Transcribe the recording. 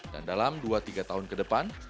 dan dalam dua tiga tahun ke depan